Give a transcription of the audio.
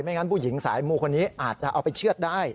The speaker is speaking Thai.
งั้นผู้หญิงสายมูคนนี้อาจจะเอาไปเชื่อดได้